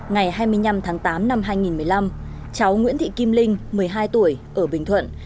ngày hai mươi năm tháng tám năm hai nghìn một mươi năm cháu nguyễn thị kim linh một mươi hai tuổi ở bình thuận